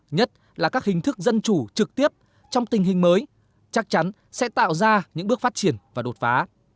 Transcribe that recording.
nhất là các hình thức dân chủ trực tiếp trong tình hình mới chắc chắn sẽ tạo ra những bước phát triển và đột phá